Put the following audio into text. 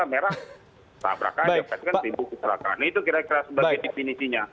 tabrak saja itu kan ribu kecelakaan itu kira kira sebagai definisinya